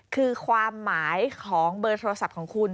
คือความหมายของเบอร์โทรศัพท์ของคุณ